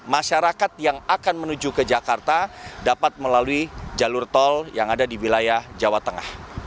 masyarakat yang akan menuju ke jakarta dapat melalui jalur tol yang ada di wilayah jawa tengah